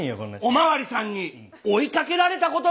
「お巡りさんに追いかけられたことがあります」。